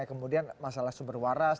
kemudian masalah sumber waras